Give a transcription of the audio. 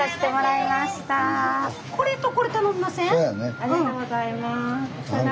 ありがとうございます。